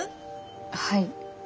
はい。